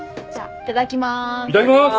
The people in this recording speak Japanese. いただきます。